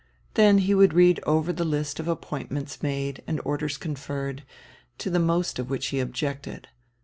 Then he would read over the list of appointments made and orders conferred, to the most of which he objected.